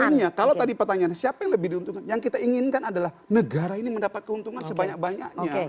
pertanyaannya kalau tadi pertanyaan siapa yang lebih diuntungkan yang kita inginkan adalah negara ini mendapat keuntungan sebanyak banyaknya